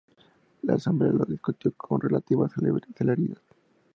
La Asamblea lo discutió con relativa celeridad.